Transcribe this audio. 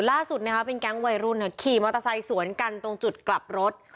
ล่าสุดเป็นแก๊งวัยรุ่นขี่มอเตอร์ไซค์สวนกันตรงจุดกลับรถ